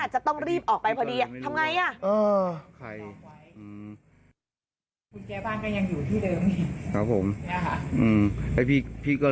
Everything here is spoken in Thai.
จะต้องรีบออกไปพอดีอ่ะทำไงอ่ะ